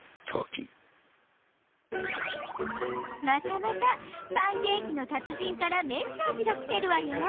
またまたパンケーキの達人からメッセージが来てるわよ。